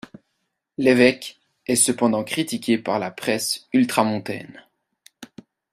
L'évêque est cependant critiqué par la presse ultramontaine.